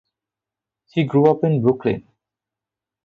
He grew up in Brooklyn.